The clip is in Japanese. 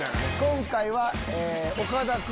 今回は。